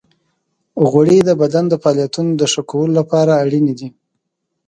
غوړې د بدن د فعالیتونو د ښه کولو لپاره اړینې دي.